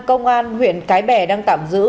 công an huyện cái bè đang tạm giữ